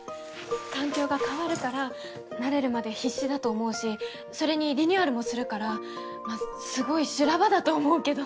環境が変わるから慣れるまで必死だと思うしそれにリニューアルもするからすごい修羅場だと思うけど。